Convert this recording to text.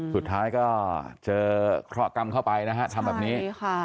สุดท้ายก็เจอเคราะหกรรมเข้าไปนะฮะทำแบบนี้